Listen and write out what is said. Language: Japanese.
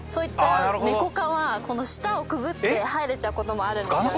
この下をくぐって入れちゃうこともあるんですよね。